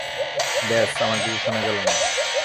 ব্যস, আর কিছু শোনা গেল না।